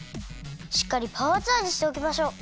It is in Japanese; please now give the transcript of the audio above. しっかりパワーチャージしておきましょう！